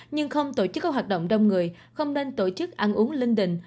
nhưng không tổ chức các hoạt động đông người không nên tổ chức ăn uống linh đình